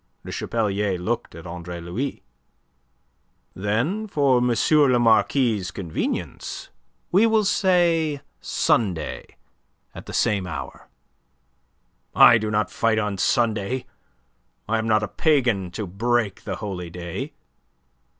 Le Chapelier looked at Andre Louis. "Then for M. le Marquis' convenience, we will say Sunday at the same hour." "I do not fight on Sunday. I am not a pagan to break the holy day."